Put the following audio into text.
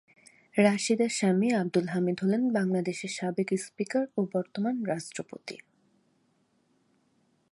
রাশিদা’র স্বামী আব্দুল হামিদ হলেন বাংলাদেশের সাবেক স্পিকার ও বর্তমান রাষ্ট্রপতি।